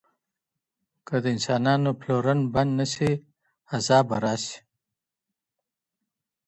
که د انسانانو پلورل بند نه سي عذاب به راسي.